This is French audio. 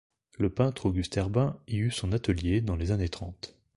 Le peintre Auguste Herbin y eut son atelier dans les années trente.